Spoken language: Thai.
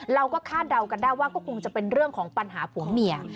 คาดเดากันได้ว่าก็คงจะเป็นเรื่องของปัญหาผัวเมีย